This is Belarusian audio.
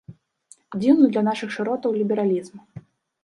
Дзіўны для нашых шыротаў лібералізм.